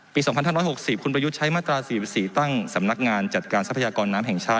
๒๕๖๐คุณประยุทธ์ใช้มาตรา๔๔ตั้งสำนักงานจัดการทรัพยากรน้ำแห่งชาติ